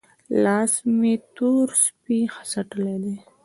لاس مې تور سپۍ څټلی دی؟